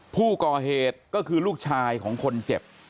ผู้ก่อเหตุก็คือลูกชายของคนเจ็บ